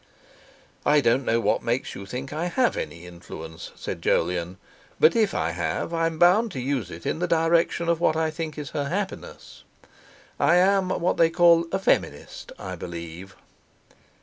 "I don't know what makes you think I have any influence," said Jolyon; "but if I have I'm bound to use it in the direction of what I think is her happiness. I am what they call a 'feminist,' I believe."